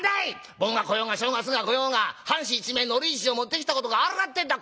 盆が来ようが正月が来ようが半紙一枚海苔一帖持ってきたことがあるかってんだ！